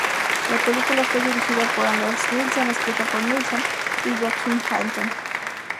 La película fue dirigida por Anders Nilsson, escrita por Nilsson y Joakim Hansson.